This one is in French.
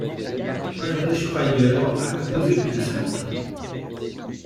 Heinrich Praeger a composé plus de cinquante œuvres.